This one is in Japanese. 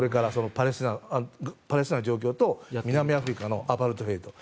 パレスチナの状況と南アフリカのアパルトヘイト。